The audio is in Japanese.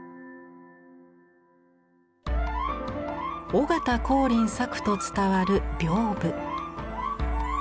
尾形光琳作と伝わる屏風。